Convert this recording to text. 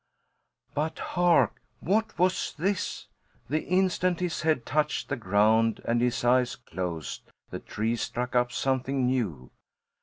But hark! What was this? The instant his head touched the ground and his eyes closed, the trees struck up something new.